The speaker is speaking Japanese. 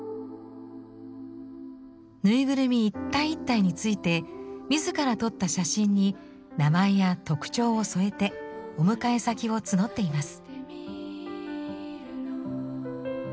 ぬいぐるみ一体一体について自ら撮った写真に名前や特徴を添えてお迎え先を募っています。